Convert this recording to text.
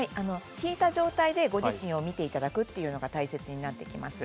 引いた状態でご自身を見ていただくというのが大切になってきます。